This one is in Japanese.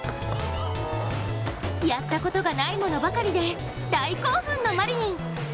やったことがないものばかりで大興奮のマリニン。